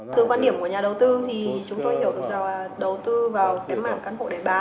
từ quan điểm của nhà đầu tư thì chúng tôi hiểu được đầu tư vào cái mảng căn hộ để bán